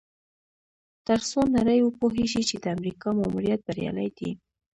تر څو نړۍ وپوهیږي چې د امریکا ماموریت بریالی دی.